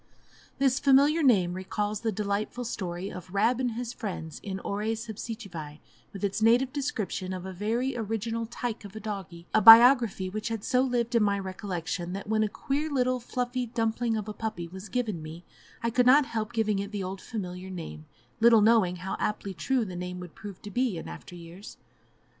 This familiar name recalls the delightful story of "Rab and his Friends" in "Horæ Subsicivæ," with its naïve description of a very original "tyke" of a doggie a biography which had so lived in my recollection that when a queer little fluffy dumpling of a puppy was given me I could not help giving it the old familiar name, little knowing how aptly true the name would prove to be in after years.